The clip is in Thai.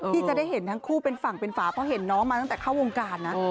ที่จะได้เห็นทั้งคู่เป็นฝั่งเป็นฝาเพราะเห็นน้องมาตั้งแต่เข้าวงการนะ